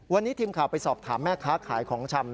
วันนี้ทีมข่าวไปสอบถามแม่ค้าขายของชำ